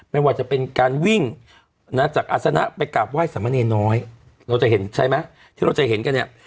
ไม่ว่าจะเป็นการวิ่งนะจากอาศนะไปกราบไห้สามะเนรน้อยเราจะเห็นใช่ไหมที่เราจะเห็นกันเนี่ย